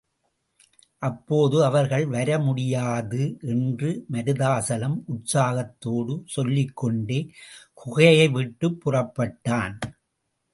அப்போது அவர்கள் வர முடியாது என்று மருதாசலம் உற்சாகத்தோடு சொல்லிக்கொண்டே குகையை விட்டுப் புறப்பட்டான்.